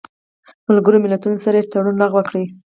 ملګرو ملتونو سره یې تړون لغوه کړی